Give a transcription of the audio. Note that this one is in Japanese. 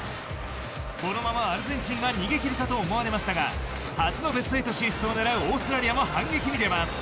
このままアルゼンチンが逃げ切るかと思われましたが初のベスト８進出を狙うオーストラリアも反撃に出ます。